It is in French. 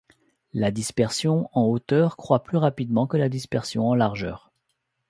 La dispersion en hauteur croît plus rapidement que la dispersion en largeur.